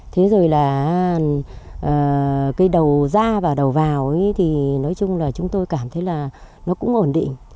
thế rồi là cây đầu ra và đầu vào thì nói chung là chúng tôi cảm thấy là nó cũng ổn định